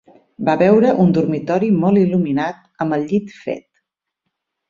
Va veure un dormitori molt il·luminat amb el llit fet.